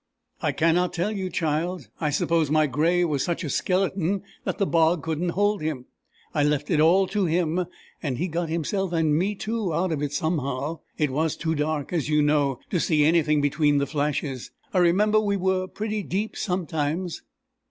"I cannot tell you, child. I suppose my gray was such a skeleton that the bog couldn't hold him. I left it all to him, and he got himself and me too out of it somehow. It was too dark, as you know, to see anything between the flashes. I remember we were pretty deep sometimes."